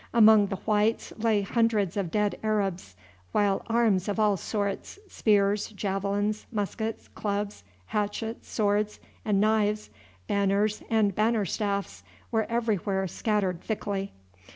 Among the whites lay hundreds of dead Arabs, while arms of all sorts spears, javelins, muskets, clubs, hatchets, swords, and knives, banners and banner staffs were everywhere scattered thickly.